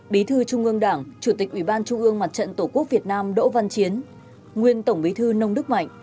bí thư trung ương đảng chủ tịch ủy ban trung ương mặt trận tổ quốc việt nam đỗ văn chiến nguyên tổng bí thư nông đức mạnh